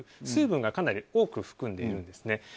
水分をかなり多く含んでいるんですね。